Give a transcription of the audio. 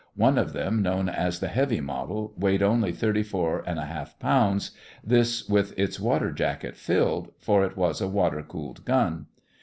One of them, known as the heavy model, weighed only 34 1/2 pounds, this with its water jacket filled; for it was a water cooled gun.